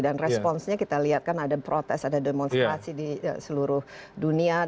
dan responsnya kita lihat kan ada protes ada demonstrasi di seluruh dunia